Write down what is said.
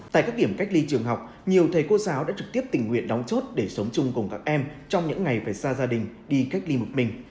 tại các điểm cách ly trường học nhiều thầy cô giáo đã trực tiếp tình nguyện đóng chốt để sống chung cùng các em trong những ngày phải xa gia đình đi cách ly một mình